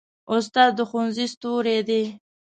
استاد د ښوونځي ستوری دی.